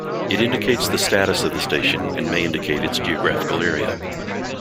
It indicates the status of the station and may indicate its geographical area.